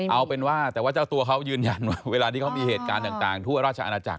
เอาเป็นว่าแต่ว่าเจ้าตัวเขายืนยันว่าเวลาที่เขามีเหตุการณ์ต่างทั่วราชอาณาจักร